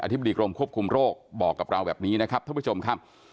ธิบดีกรมควบคุมโรคบอกกับเราแบบนี้นะครับท่านผู้ชมครับ